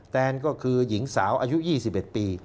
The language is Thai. แนนก็คือหญิงสาวอายุ๒๑ปี